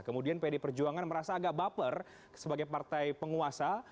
kemudian pd perjuangan merasa agak baper sebagai partai penguasa